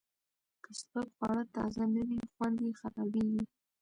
که سپک خواړه تازه نه وي، خوند یې خرابېږي.